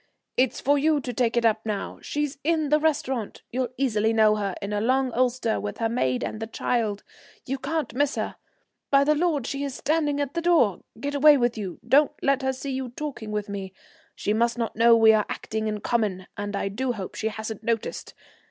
It's for you to take it up now. She's in the restaurant. You'll easily know her, in a long ulster, with her maid and the child. You can't miss her. By the Lord, she is standing at the door! Get away with you, don't let her see you talking with me. She must not know we are acting in common, and I do hope she hasn't noticed.